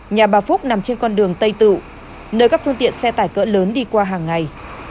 nhà bà phúc nằm trên con đường tây tự nơi các phương tiện xe tải cỡ lớn đi qua hàng ngày